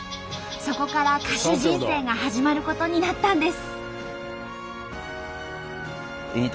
そこから歌手人生が始まることになったんです。